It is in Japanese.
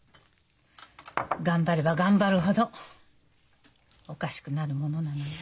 頑張れば頑張るほどおかしくなるものなのよ。